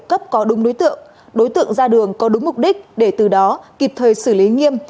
cấp có đúng đối tượng đối tượng ra đường có đúng mục đích để từ đó kịp thời xử lý nghiêm